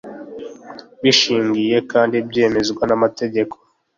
bushingiye kandi bwemezwa n’amategeko,